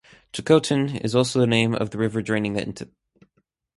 Chilcotin is also the name of the river draining that region.